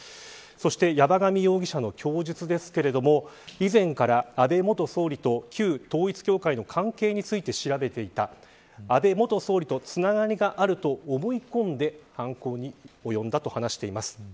そして山上容疑者の供述ですけど以前から安倍元総理と旧統一教会の関係について調べていた安倍元総理とつながりがあると思い込んで犯行に及んだと話しています。